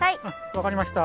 わかりました。